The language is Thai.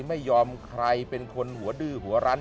ไม่ยอมใครเป็นคนหัวดื้อหัวรั้น